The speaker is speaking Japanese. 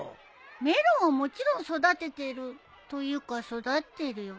メロンはもちろん育ててる。というか育ってるよ